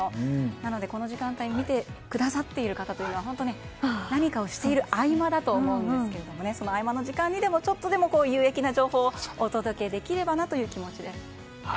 なのでこの時間帯見てくださっている方というのは本当に何かをしている合間だと思うんですけれども合間の時間にちょっとでも有益な時間をお届けできればなという気持ちで。